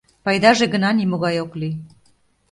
Пайдаже гына нимогай ок лий.